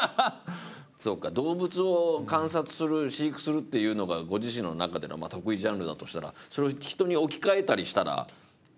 そっか動物を観察する飼育するっていうのがご自身の中での得意ジャンルだとしたらそれを人に置き換えたりしたらまたそれをね